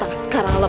dengan suaraared wade